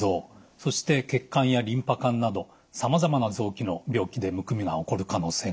そして血管やリンパ管などさまざまな臓器の病気でむくみが起こる可能性があります。